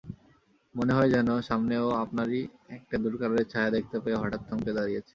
মনে হয় যেন সামনে ও আপনারই একটা দূরকালের ছায়া দেখতে পেয়ে হঠাৎ থমকে দাঁড়িয়েছে।